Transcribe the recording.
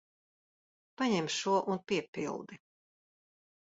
Paņem šo un piepildi.